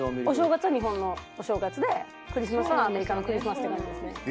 お正月は日本のお正月でクリスマスはアメリカのクリスマスって感じですね。